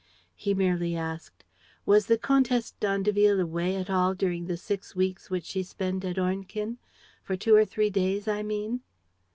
He merely asked: "Was the Comtesse d'Andeville away at all during the six weeks which she spent at Ornequin? For two or three days, I mean?"